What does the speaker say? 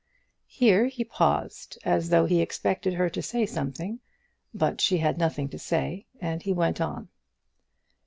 Here he paused, as though he expected her to say something; but she had nothing to say and he went on.